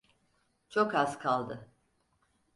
Çok az kaldı.